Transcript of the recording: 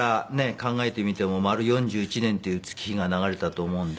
考えてみても丸４１年っていう月日が流れたと思うんで。